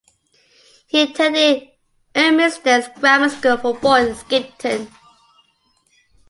He attended Ermysted's Grammar School for boys in Skipton.